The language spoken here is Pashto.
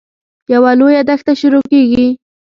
یوه لویه دښته شروع کېږي.